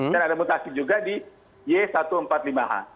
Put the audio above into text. dan ada mutasi juga di y satu ratus empat puluh lima h